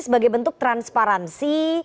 sebagai bentuk transparansi